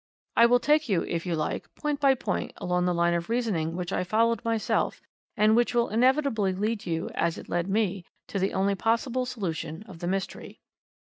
"I will take you, if you like, point by point along the line of reasoning which I followed myself, and which will inevitably lead you, as it led me, to the only possible solution of the mystery.